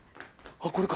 あっこれか。